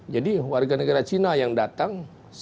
jadi warga negara cina yang datang